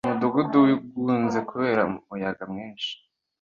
Umudugudu wigunze kubera umuyaga mwinshi.